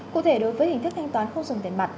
cụ thể đối với hình thức thanh toán không sử dụng tiền mặt